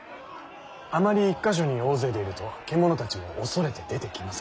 あまり１か所に大勢でいると獣たちも恐れて出てきません。